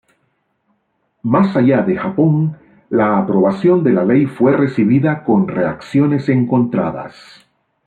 Más allá de Japón, la aprobación de la ley fue recibida con reacciones encontradas.